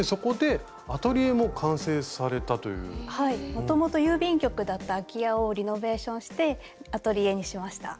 もともと郵便局だった空き家をリノベーションしてアトリエにしました。